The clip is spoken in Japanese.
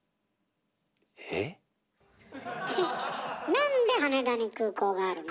なんで羽田に空港があるの？